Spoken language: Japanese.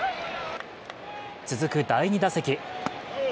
続く第２打席。